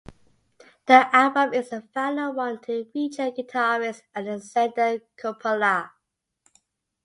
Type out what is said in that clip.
The album is the final one to feature guitarist Alexander Kuoppala.